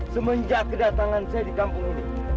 sejak saya datang ke kampung ini